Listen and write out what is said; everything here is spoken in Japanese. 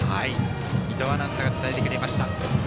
伊藤アナウンサーが伝えてくれました。